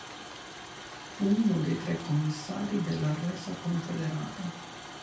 Fu uno dei tre commissari della resa Confederata.